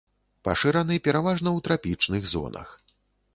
Пашыраны пераважна ў трапічных зонах.